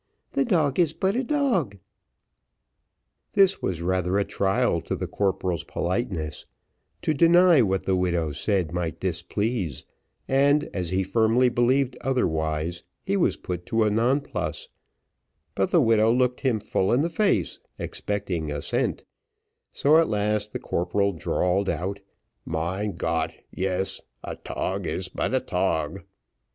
The dog is but a dog." This was rather a trial to the corporal's politeness; to deny what the widow said, might displease, and, as he firmly believed otherwise, he was put to a nonplus; but the widow looked him full in the face, expecting assent, so at last the corporal drawled out, "Mein Gott! yes a tog is but a tog."